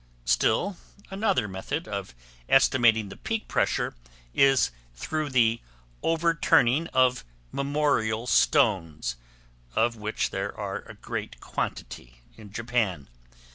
Still another method of estimating the peak pressure is through the overturning of memorial stones, of which there are a great quantity in Japan.